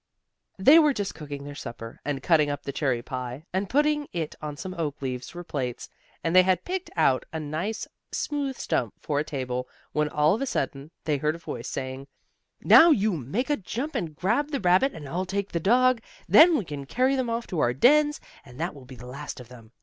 They were just cooking their supper, and cutting up the cherry pie, and putting it on some oak leaves for plates, and they had picked out a nice smooth stump for a table, when, all of a sudden, they heard a voice saying: "Now you make a jump and grab the rabbit and I'll take the dog. Then we can carry them off to our dens, and that will be the last of them.